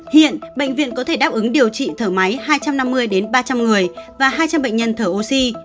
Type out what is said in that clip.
hiện bệnh viện có thể đáp ứng điều trị thở máy hai trăm năm mươi đến ba trăm linh người và hai trăm linh bệnh nhân thở oxy